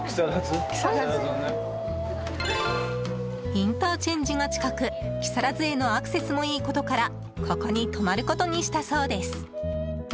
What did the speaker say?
インターチェンジが近く木更津へのアクセスもいいことからここに泊まることにしたそうです。